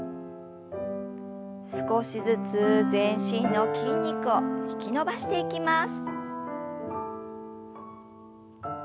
少しずつ全身の筋肉を引き伸ばしていきます。